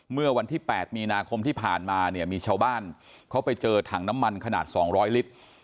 เมื่อวันที่๘มีนาคมที่ผ่านมาเนี่ยมีชาวบ้านเขาไปเจอถังน้ำมันขนาด๒๐๐ลิตร